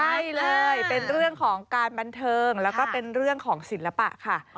ใช่เลยเป็นเรื่องของการบันเทิงแล้วก็เป็นเรื่องของศิลปะค่ะ